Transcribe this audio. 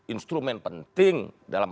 instrumen penting dalam